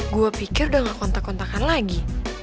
gue pikir udah gak kontak kontakan lagi